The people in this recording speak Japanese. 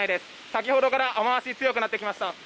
先ほどから雨脚強くなってきました。